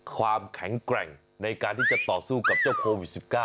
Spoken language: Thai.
ความแข็งแกร่งในการที่จะต่อสู้กับเจ้าโควิด๑๙